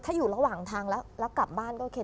ถ้าอยู่ระหว่างทางแล้วกลับบ้านก็โอเค